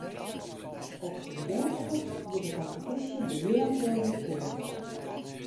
Op syn geunstichst giet de kompetysje begjin april wer fierder.